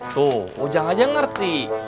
tuh ujang aja ngerti